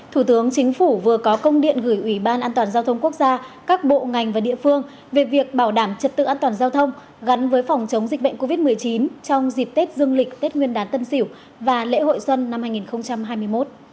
thủ tướng chính phủ vừa có công điện gửi ủy ban an toàn giao thông quốc gia các bộ ngành và địa phương về việc bảo đảm trật tự an toàn giao thông gắn với phòng chống dịch bệnh covid một mươi chín trong dịp tết dương lịch tết nguyên đán tân sỉu và lễ hội xuân năm hai nghìn hai mươi một